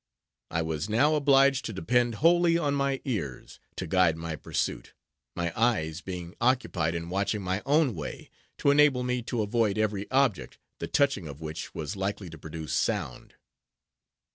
I was now obliged to depend wholly on my ears, to guide my pursuit, my eyes being occupied in watching my own way, to enable me to avoid every object, the touching of which was likely to produce sound.